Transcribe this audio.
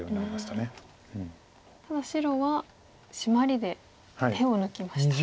ただ白はシマリで手を抜きました。